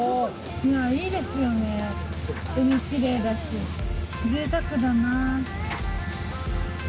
いいですよね、海きれいだし、ぜいたくだな。